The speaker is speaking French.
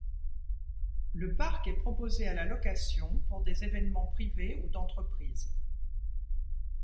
Le parc est proposé à la location pour des événements privés ou d'entreprises.